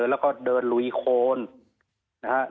แล้วก็เดินลุยโคนนะฮะ